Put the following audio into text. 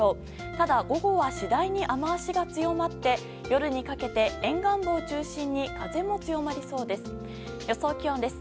ただ、午後は次第に雨脚が強まって夜にかけて、沿岸部を中心に風も強まりそうです。